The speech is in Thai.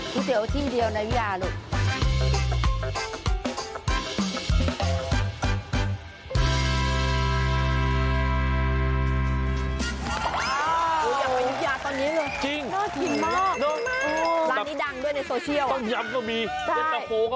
คุ้ดเตี๋ยวที่เดียวในวิญญาณลูก